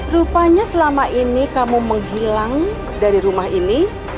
rupanya selama ini kamu menghilang dari rumah ini